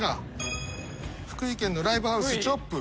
福井県のライブハウスＣＨＯＰ。